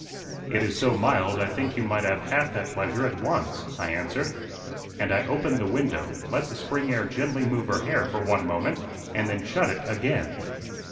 "It is so mild, I think you might have half that pleasure at once," I answered.. And I opened the window, let the spring air gently move her hair for one moment, and then shut it again.